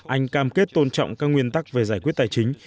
anh cam kết tôn trọng các nguyên tắc về giải quyết tài chính